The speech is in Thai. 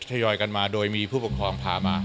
ทยอยกันมาโดยมีผู้ปกครองพามา